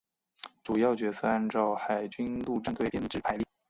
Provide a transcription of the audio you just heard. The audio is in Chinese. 主要角色按照海军陆战队编制排列。